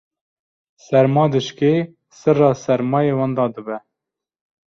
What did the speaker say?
serma dişkê, sirra sermayê wenda dibe